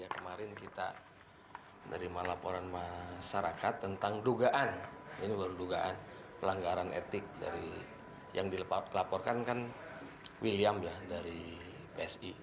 kemarin kita menerima laporan masyarakat tentang dugaan ini baru dugaan pelanggaran etik dari yang dilaporkan kan william ya dari psi